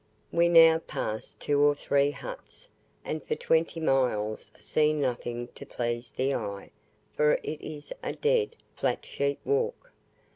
We now pass two or three huts, and for twenty miles see nothing to please the eye, for it is a dead, flat sheep walk.